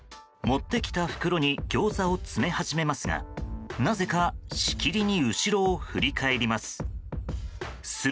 持ってきた袋にギョーザを詰め始めますがなぜか、しきりに後ろを振り返ります。